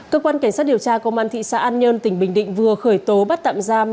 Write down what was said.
cơ quan cảnh sát điều tra công an thị xã an nhơn tỉnh bình định vừa khởi tố bắt tạm giam